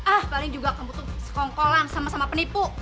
ah paling juga kamu butuh sekongkolan sama sama penipu